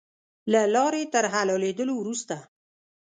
له لارې تر حلالېدلو وروسته.